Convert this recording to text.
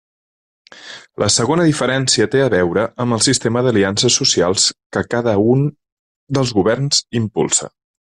La segona diferència té a veure amb el sistema d'aliances socials que cada un dels governs impulsa.